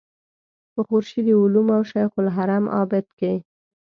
په خورشید علوم او شیخ الحرم عابد کې.